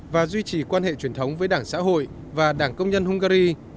và duy trì quan hệ truyền thống với đảng xã hội và đảng công nhân hungary